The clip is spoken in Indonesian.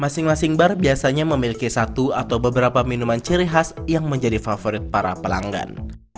masing masing bar biasanya memiliki satu atau beberapa minuman ciri khas yang menjadi favorit para pelanggan